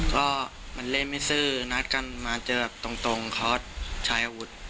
ก็มันเล่นไม่ซื้อนัดกันมาเจอแบบตรงเขาใช้อาวุธ